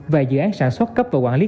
và dự án sản xuất cấp và quản lý